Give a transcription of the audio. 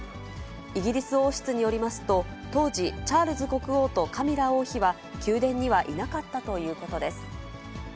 イギリス王室によりますと、当時、チャールズ国王とカミラ王妃は、宮殿にはいなかったということです。